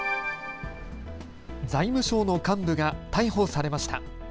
財務省の幹部が逮捕されました。